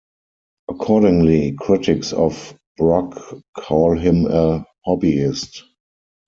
Accordingly, critics of Brok call him a "hobbyist".